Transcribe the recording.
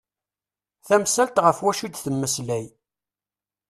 Tamsalt ɣef wacu i d-temmeslay.